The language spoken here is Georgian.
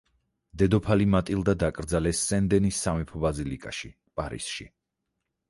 დედოფალი მატილდა დაკრძალეს სენ დენის სამეფო ბაზილიკაში, პარიზში.